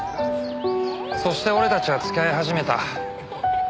そして俺たちは付き合い始めた。